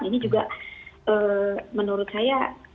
ini juga menurut saya